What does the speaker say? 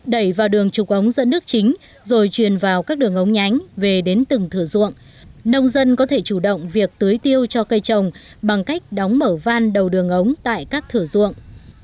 trung bình một xào rau rau vụ đông với việc tưới tiêu cho cây trồng bằng cách đóng mở van đầu đường ống tại các thửa ruộng